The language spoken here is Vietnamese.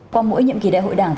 qua mỗi nhiệm kỳ đại hội đảng